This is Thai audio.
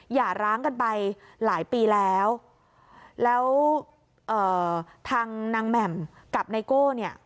อย่าร้างกันไปหลายปีแล้วแล้วเอ่อทางนางแหม่มกับไนโก้เนี่ย